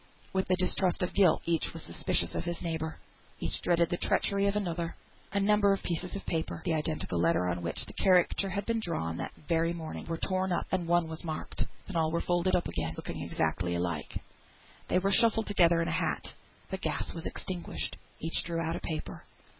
With the distrust of guilt, each was suspicious of his neighbour; each dreaded the treachery of another. A number of pieces of paper (the identical letter on which the caricature had been drawn that very morning) were torn up, and one was marked. Then all were folded up again, looking exactly alike. They were shuffled together in a hat. The gas was extinguished; each drew out a paper.